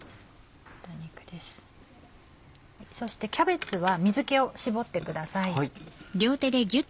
そしてキャベツは水気を絞ってください。